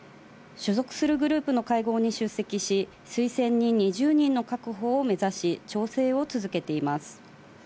所属するグループの会合に出席し、推薦人２０人の確保を目指し、調整を続けています。